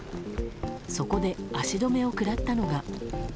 そこで足止めを食らったのが。